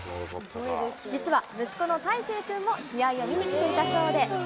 実は、息子の大誠くんも試合を見にきていたそうで。